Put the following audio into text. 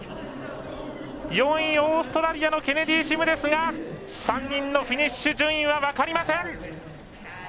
４位、オーストラリアのケネディシムですが３人のフィニッシュ順位は分かりません。